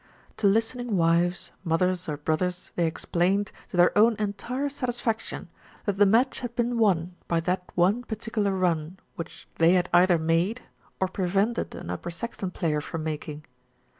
To listening wives, mothers or brothers, they explained, to their own entire satisfaction, that the match had been won by that one particular run which they had either made or prevented an Upper Saxton player from making.